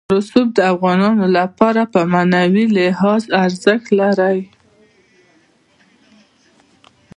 رسوب د افغانانو لپاره په معنوي لحاظ ارزښت لري.